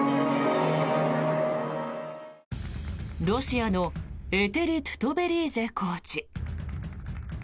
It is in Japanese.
ロシアのエテリ・トゥトベリーゼコーチ。